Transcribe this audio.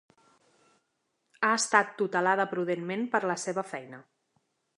Ha estat tutelada prudentment per la seva feina.